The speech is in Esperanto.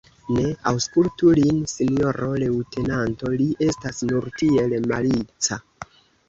Ne aŭskultu lin, sinjoro leŭtenanto, li estas nur tiel malica.